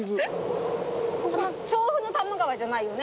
調布の多摩川じゃないよね？